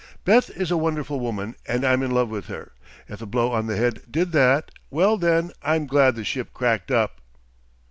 "Beth is a wonderful woman and I'm in love with her. If the blow on the head did that ... well then, I'm glad the ship cracked up."